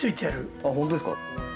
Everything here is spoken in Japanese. あっ本当ですか？